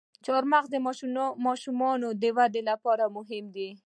چارمغز د ماشومانو د ودې لپاره مهم دی.